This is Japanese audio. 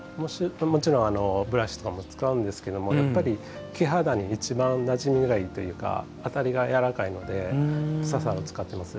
もちろんブラシとかも使うんですけどもやっぱり木肌にいちばんなじみがいいというか当たりが柔らかいのでササラを使っています。